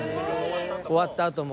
終わったあとも。